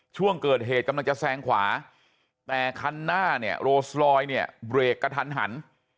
ช่วงเกิดเหตุกำลังจะแซงขวาแต่คันหน้าเนี่ยโรสลอยเนี่ยเบรกกระทันหัน